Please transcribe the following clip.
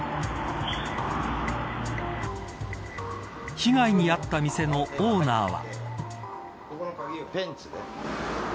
被害に遭った店のオーナーは。